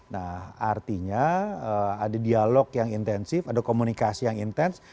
nah artinya ada dialog yang intensif ada komunikasi yang intens